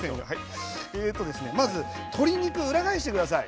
まず鶏肉を裏返してください。